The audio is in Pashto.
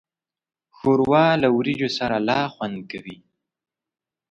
ښوروا له وریجو سره لا خوند کوي.